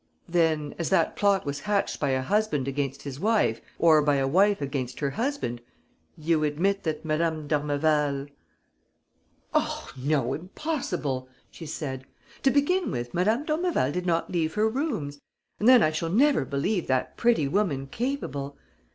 "Then, as that plot was hatched by a husband against his wife or by a wife against her husband, you admit that Madame d'Ormeval ...?" "Oh, no, impossible!" she said. "To begin with, Madame d'Ormeval did not leave her rooms ... and then I shall never believe that pretty woman capable....